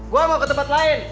gue mau ke tempat lain